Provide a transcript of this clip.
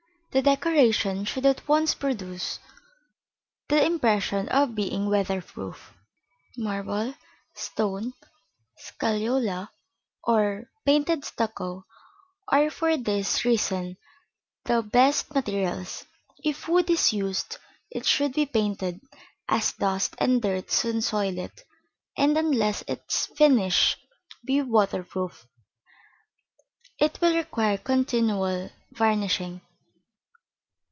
The decoration should at once produce the impression of being weather proof. Marble, stone, scagliola, or painted stucco are for this reason the best materials. If wood is used, it should be painted, as dust and dirt soon soil it, and unless its finish be water proof it will require continual varnishing.